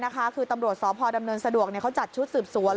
คือตำรวจสพดำเนินสะดวกเขาจัดชุดสืบสวน